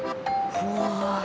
うわ！